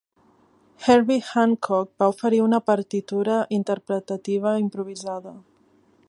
Herbie Hancock va oferir una partitura interpretativa improvisada.